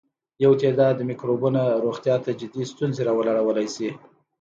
یو تعداد مکروبونه روغتیا ته جدي ستونزې راولاړولای شي.